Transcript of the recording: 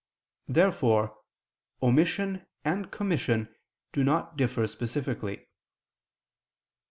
Therefore omission and commission do not differ specifically.